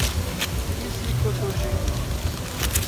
psicotogênicos